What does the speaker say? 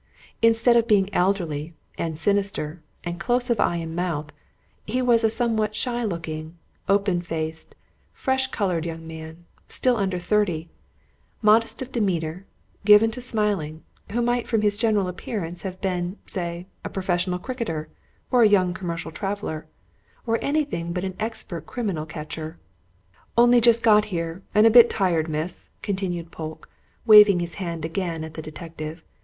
Instead of being elderly, and sinister, and close of eye and mouth, he was a somewhat shy looking, open faced, fresh coloured young man, still under thirty, modest of demeanour, given to smiling, who might from his general appearance have been, say, a professional cricketer, or a young commercial traveller, or anything but an expert criminal catcher. "Only just got here, and a bit tired, miss," continued Polke, waving his hand again at the detective.